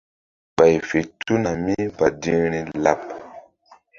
Ɓay fe tuna mí badi̧hri laɓ.